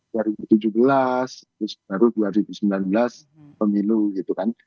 dua ribu tujuh belas baru dua ribu sembilan belas pemilu gitu kan